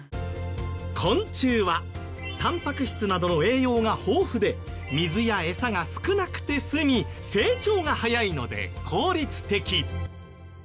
昆虫はたんぱく質などの栄養が豊富で水やエサが少なくて済み成長が早いので効率的。